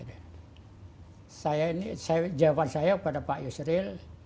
jawaban saya kepada pak yusril